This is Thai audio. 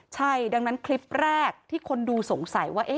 ใช่ดังนั้นคลิปแรกที่คนดูสงสัยว่า